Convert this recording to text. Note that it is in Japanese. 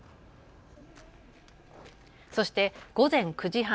そして午前９時半。